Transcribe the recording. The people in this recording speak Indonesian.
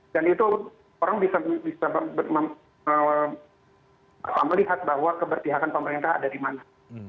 dan itu orang bisa melihat bahwa keberpihakan pemerintah ada di mana